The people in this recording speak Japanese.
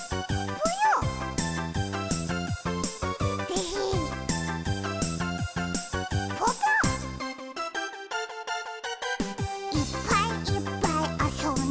ぽぽ「いっぱいいっぱいあそんで」